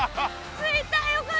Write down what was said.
ついたよかった。